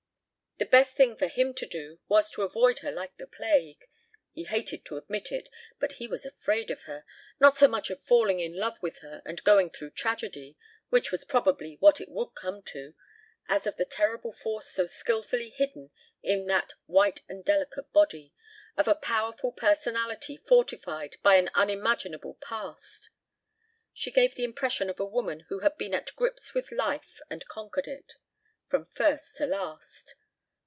The best thing for him to do was to avoid her like the plague. He hated to admit it, but he was afraid of her, not so much of falling in love with her and going through tragedy, which was probably what it would come to, as of the terrible force so skillfully hidden in that white and delicate body, of a powerful personality fortified by an unimaginable past. She gave the impression of a woman who had been at grips with life and conquered it, from first to last.